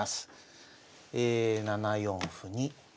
７四歩に。